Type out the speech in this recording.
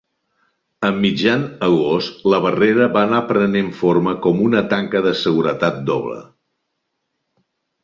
A mitjan agost la barrera va anar prenent forma com una tanca de seguretat doble.